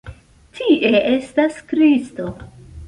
Tie estas Kristo!